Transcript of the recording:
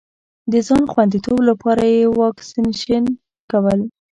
د ځان خوندیتوب لپاره یې واکسېنېشن کول.